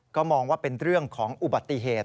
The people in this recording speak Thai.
ก็มองว่าเป็นเรื่องของอุบัติเหตุ